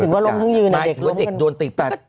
หรือว่าเด็กโดนติด